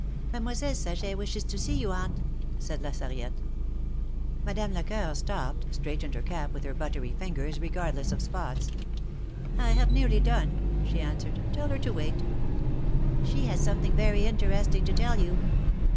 Mademoiselle Saget wishes to see you. Aunt," said La Sarriette. Madame Lecoeur stopped, straightened her cap with her buttery fingers regardless of spots. I have nearly done," she answered. Tell her to wait." She has something very interesting to tell you."